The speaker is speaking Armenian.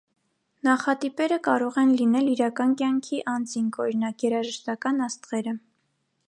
Նախատիպերը կարող են լինել իրական կյանքի անձինք օրինակ, երաժշտական աստղերը։